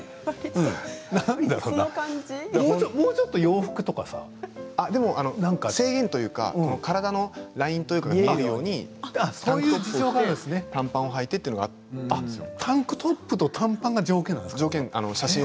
もうちょっと洋服とかさ制限というか体のラインが見えるようにという短パンをはいてタンクトップと短パンが条件だったんですね？